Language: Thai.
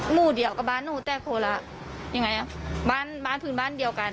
หมู่เดียวกับบ้านหนูแต่คนละยังไงอ่ะบ้านบ้านพื้นบ้านเดียวกัน